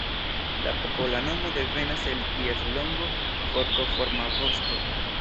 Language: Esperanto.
La popola nomo devenas el ties longo forkoforma vosto.